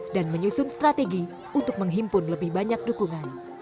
dan menyusun strategi untuk menghimpun lebih banyak dukungan